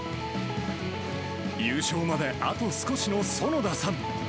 優勝まであと少しの園田さん。